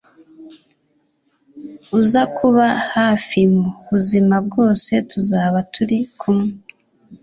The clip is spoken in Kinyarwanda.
uzakuba hafi mu buzima bwose tuzaba turi kumwe